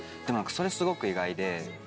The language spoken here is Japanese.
でもそれすごく意外で。